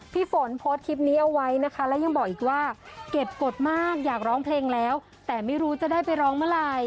พี่ฝนโพสต์คลิปนี้เอาไว้นะคะแล้วยังบอกอีกว่าเก็บกฎมากอยากร้องเพลงแล้วแต่ไม่รู้จะได้ไปร้องเมื่อไหร่